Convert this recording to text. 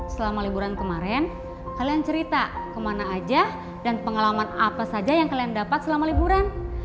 selama liburan kemarin kalian cerita kemana aja dan pengalaman apa saja yang kalian dapat selama liburan